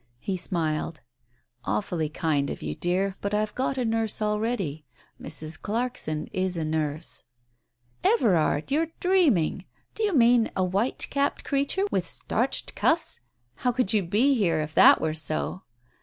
He smiled. "Awfully kind of you, dear, but I've got a nurse already. Mrs. Clarkson is a nurse." " Everard ! you're dreaming ! Do you mean a white capped creature, with starched cuffs? How could you be here if that were so